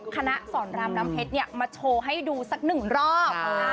คณะสรรามรำเพชรเนี่ยมาโชว์ให้ดูสักหนึ่งรอบ